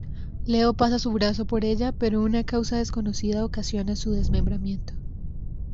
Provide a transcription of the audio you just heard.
Leo pasa su brazo por ella, pero una causa desconocida ocasiona su desmembramiento.